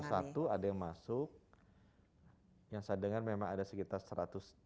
tanggal dua puluh satu ada yang masuk yang saya dengar memang ada sekitar satu ratus tiga puluh lima